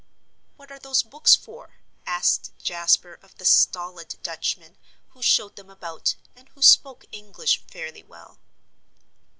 "What are those hooks for?" asked Jasper of the stolid Dutchman, who showed them about, and who spoke English fairly well.